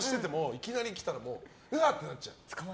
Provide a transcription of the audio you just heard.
いきなり来たらうわ！ってなっちゃう。